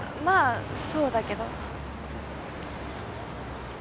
まあそうだけど。